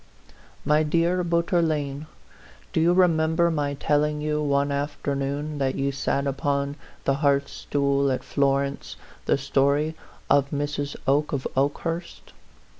MY DEAR BOUTOUKLLNE, Do you remem ber my telling you, one afternoon that you sat upon the hearthstool at Florence, the story of Mrs. Oke of Okehurst?